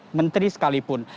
ataupun menteri sekalipun